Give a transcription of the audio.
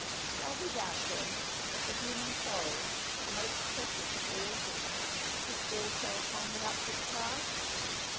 Shall we doubt, then, that the human soul, the most precious of all things, is also upon the upward path?